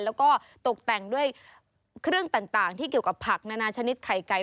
แล้วก็ตกแต่งด้วยเครื่องต่างที่เกี่ยวกับผักนานาชนิดไข่ไก่